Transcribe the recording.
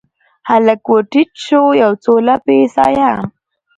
هلک ورټیټ شو یو، څو لپې سایه